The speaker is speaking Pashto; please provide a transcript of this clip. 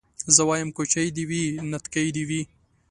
زه وايم کوچۍ دي وي نتکۍ دي وي